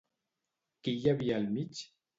Qui hi havia al mig?